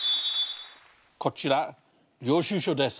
こちら領収書です。